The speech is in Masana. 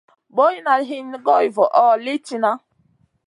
Boyna hini goy voʼo li tihna.